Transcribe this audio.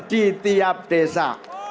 di tiap desa